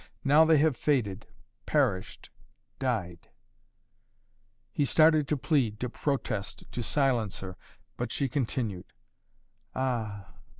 Now they have faded, perished, died " He started to plead, to protest, to silence her, but she continued: "Ah!